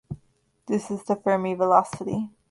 This is the Fermi velocity.